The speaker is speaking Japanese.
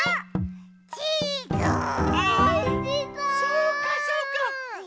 そうかそうか！